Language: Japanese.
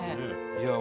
いや